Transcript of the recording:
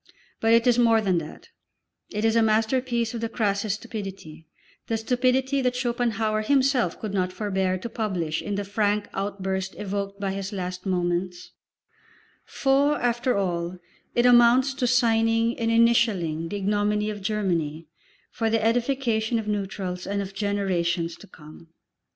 But it is more than that, it is a masterpiece of the crassest stupidity the stupidity that Schopenhauer himself could not forbear to publish in the frank outburst evoked by his last moments; for after all it amounts to signing and initialling the ignominy of Germany for the edification of neutrals and of generations to come.